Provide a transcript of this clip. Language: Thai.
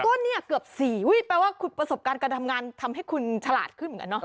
ก็เนี่ยเกือบ๔อุ้ยแปลว่าคุณประสบการณ์การทำงานทำให้คุณฉลาดขึ้นเหมือนกันเนาะ